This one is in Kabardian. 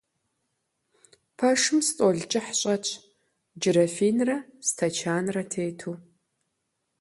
Пэшым стӀол кӀыхь щӀэтщ джырафинрэ стэчанрэ тету.